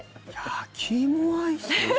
焼き芋アイス？